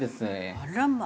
あらまあ！